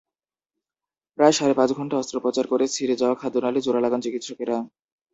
প্রায় সাড়ে পাঁচ ঘণ্টা অস্ত্রোপচার করে ছিঁড়ে যাওয়া খাদ্যনালি জোড়া লাগান চিকিৎসকেরা।